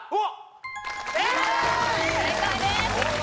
正解です